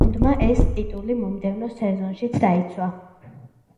გუნდმა ეს ტიტული მომდევნო სეზონშიც დაიცვა.